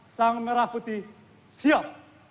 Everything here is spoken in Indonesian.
sang merah putih siap